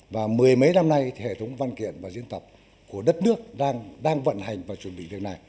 và mười mấy năm nay thì hệ thống văn kiện và diễn tập của đất nước đang vận hành và chuẩn bị việc này